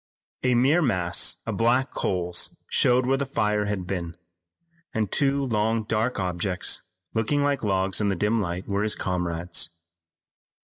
A mere mass of black coals showed where the fire had been, and two long dark objects looking like logs in the dim light were his comrades.